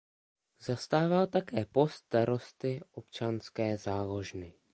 Zastával také post starosty Občanské záložny.